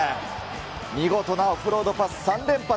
見事なオフロードパス、３連発。